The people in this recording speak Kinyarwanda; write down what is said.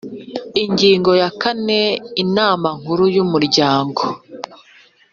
Ingingo ya kane Inama Nkuru y Umuryango